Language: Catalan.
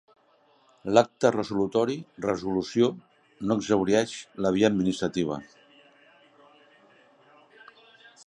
L'acte resolutori resolució no exhaureix la via administrativa.